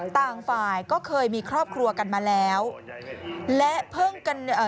ต่างฝ่ายก็เคยมีครอบครัวกันมาแล้วและเพิ่งกันเอ่อ